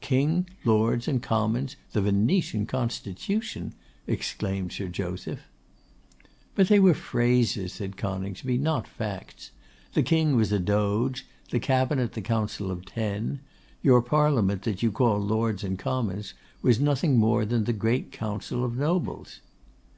'King, Lords, and Commons, the Venetian Constitution!' exclaimed Sir Joseph. 'But they were phrases,' said Coningsby, 'not facts. The King was a Doge; the Cabinet the Council of Ten. Your Parliament, that you call Lords and Commons, was nothing more than the Great Council of Nobles.